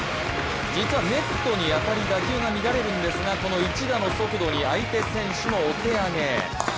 実はネットに当たり打球が乱れるんですがこの一打の速度に相手選手もお手上げ。